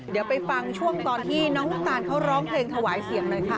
เดี๋ยวไปฟังช่วงตอนที่น้องน้ำตาลเขาร้องเพลงถวายเสียงหน่อยค่ะ